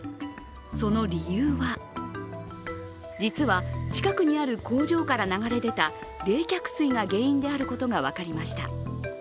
その理由は実は、近くにある工場から流れ出た冷却水が原因であることが分かりました。